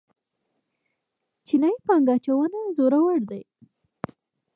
چینايي پانګه اچوونکي زړور دي.